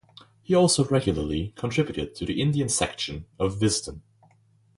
He also regularly contributed to the Indian section of "Wisden".